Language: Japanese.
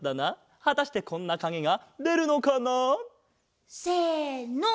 はたしてこんなかげがでるのかな？せの！